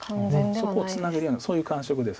そこツナげるようなそういう感触です。